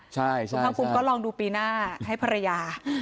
ใช่คุณภาคภูมิก็ลองดูปีหน้าให้ภรรยา